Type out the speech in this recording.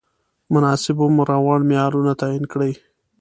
مناسب عمر او وړ معیارونه تعین کړي.